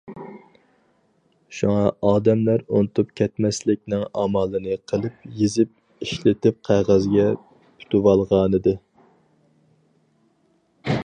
شۇڭا ئادەملەر ئۇنتۇپ كەتمەسلىكنىڭ ئامالىنى قىلىپ يېزىق ئىشلىتىپ قەغەزگە پۈتۈۋالغانىدى.